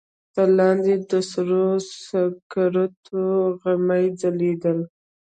تر لاندې د سرو سکروټو غمي ځلېدل.